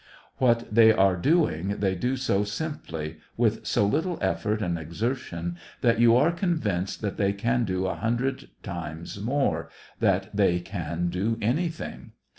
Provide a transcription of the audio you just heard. What they are doing they do so simply, with so little effort and exertion, that you are convinced that they can do a hundred times more — that they can do any thing.